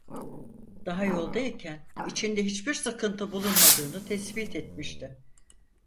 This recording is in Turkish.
Daha yolda iken içinde hiçbir sıkıntı bulunmadığını tespit etmişti.